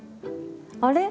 あれ？